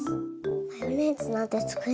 マヨネーズなんてつくれるの？